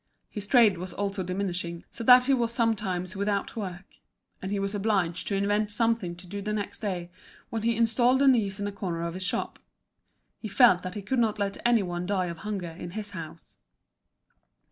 His trade was also diminishing, so that he was sometimes without work. And he was obliged to invent something to do the next day, when he installed Denise in a corner of his shop. He felt that he could not let any one die of hunger in his house.